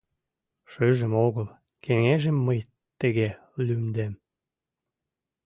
Шыжым огыл — Кеҥежым мый тыге лӱмдем.